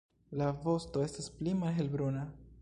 La vosto estas pli malhelbruna.